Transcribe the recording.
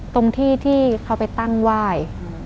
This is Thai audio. ตรงที่ที่เขาไปตั้งไหว้